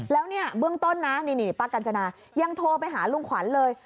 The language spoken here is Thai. แล้วเนี่ยเบื้องต้นนะนี่ป้ากัญจนายังโทรไปหาลุงขวัญเลย